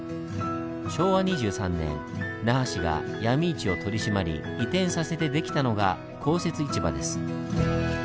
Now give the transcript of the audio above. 昭和２３年那覇市が闇市を取り締まり移転させて出来たのが公設市場です。